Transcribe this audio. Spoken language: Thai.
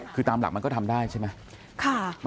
คือตามหลักมันก็ทำได้ใช่ไหม